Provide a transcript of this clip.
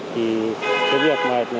thì cái việc